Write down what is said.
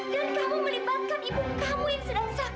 dan kamu melibatkan ibu kamu yang sedang sakit